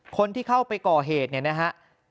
คนที่เข้าไปก่อเหตุเนี่ยนะฮะ